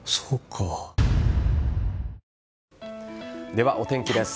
では、お天気です。